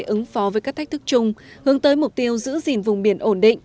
ứng phó với các thách thức chung hướng tới mục tiêu giữ gìn vùng biển ổn định